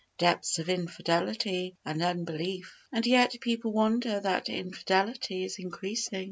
Depths of infidelity and unbelief; and yet people wonder that infidelity is increasing.